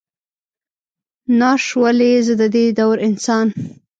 ناش ولئ، زه ددې دور انسان.